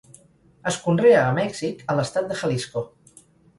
Es conrea a Mèxic, a l'estat de Jalisco.